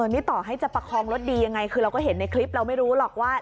นี่ต่อให้จะประคองรถดียังไงคือเราก็เห็นในคลิปเราไม่รู้หรอกว่า